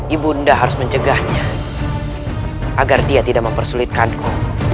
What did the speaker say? ibu nda harus mencegahnya agar dia tidak mempersulitkanku